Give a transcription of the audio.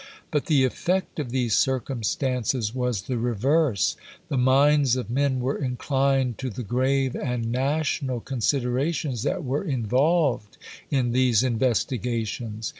But the effect of these circumstances was the reverse. The minds of men were inclined to the grave and national considerations that were involved in these investigations.